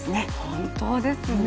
本当ですね。